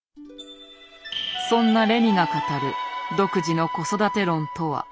そんなレミが語る独自の子育て論とは？